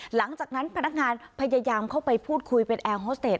หลังจากนั้นพนักงานพยายามเข้าไปพูดคุยเป็นแอร์โฮสเตจ